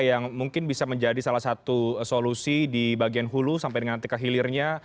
yang mungkin bisa menjadi salah satu solusi di bagian hulu sampai dengan nanti kehilirnya